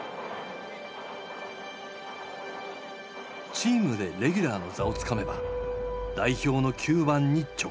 チームでレギュラーの座をつかめば代表の９番に直結する。